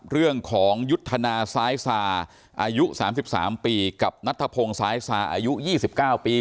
เรื่องของยุทธนาสายสาอายุ๓๓ปีกับนัทพงศ์สายสาอายุ๒๙ปี